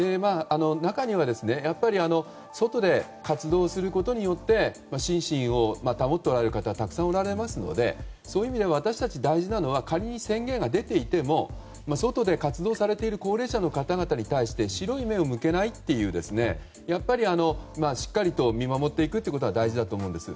中には外で活動することによって心身を保っておられる方はたくさんおられますのでそういう意味で大事なのは仮に宣言が出ていても外で活動されている高齢者の方々に対して白い目を向けないというしっかりと見守っていくことが大事だと思うんです。